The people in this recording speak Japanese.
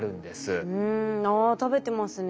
ああ食べてますね。